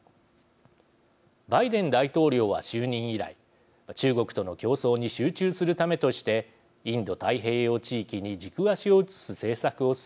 バイデン大統領は就任以来中国との競争に集中するためとしてインド太平洋地域に軸足を移す政策を進めてきました。